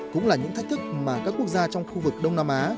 cũng là những thách thức mà các quốc gia trong khu vực đông nam á